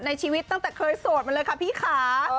ชีวิตตั้งแต่เคยโสดมาเลยค่ะพี่ค่ะ